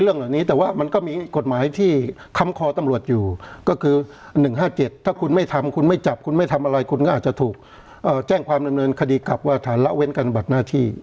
เรื่องเหล่านี้แต่ว่ามันก็มีกฎหมายที่ค้ำคอตำรวจอยู่ก็คือ๑๕๗ถ้าคุณไม่ทำคุณไม่จับคุณไม่ทำอะไรคุณก็อาจจะถูกแจ้งความดำเนินคดีกลับว่าฐานละเว้นการบัดหน้าที่